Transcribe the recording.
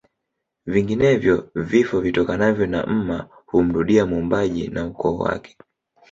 Vinginevyo vifo vitokanavyo na mma humrudia mwombaji na ukoo wake